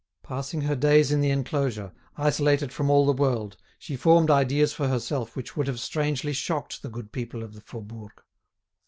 Passing her days in the enclosure, isolated from all the world, she formed ideas for herself which would have strangely shocked the good people of the Faubourg.